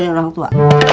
nanti berangkat ya